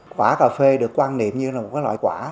quả cà phê được quan niệm như là một loại quả